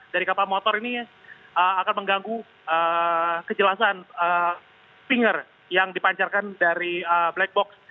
dari kapal motor ini akan mengganggu kejelasan finger yang dipancarkan dari black box